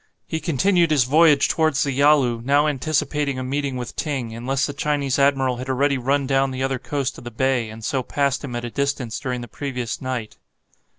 He continued his voyage towards the Yalu, now anticipating a meeting with Ting, unless the Chinese admiral had already run down the other coast of the bay, and so passed him at a distance during the previous night.